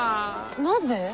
なぜ？